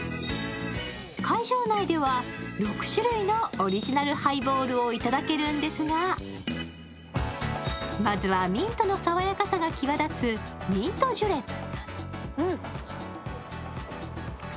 会場内では６種類のオリジナルハイボールをいただけるんですがまずは、ミントのさわやかさが際立つミントジュレップ。